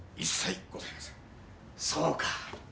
そうか。